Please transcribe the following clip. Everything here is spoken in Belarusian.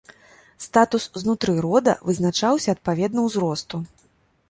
Статус знутры рода вызначаўся адпаведна ўзросту.